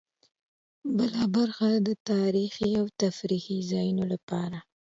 بله برخه د تاریخي او تفریحي ځایونو لپاره.